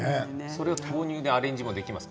それを豆乳でアレンジできますか？